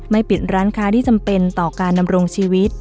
ปิดร้านค้าที่จำเป็นต่อการดำรงชีวิต